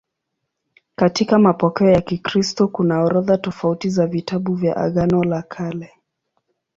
Katika mapokeo ya Kikristo kuna orodha tofauti za vitabu vya Agano la Kale.